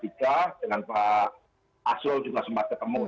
kita yang melaporkan segala macam termasuk kita sempat ketemu dengan komisi tni